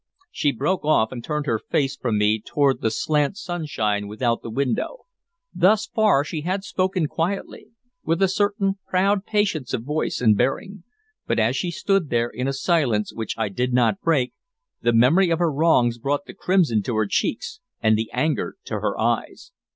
She broke off, and turned her face from me toward the slant sunshine without the window. Thus far she had spoken quietly, with a certain proud patience of voice and bearing; but as she stood there in a silence which I did not break, the memory of her wrongs brought the crimson to her cheeks and the anger to her eyes.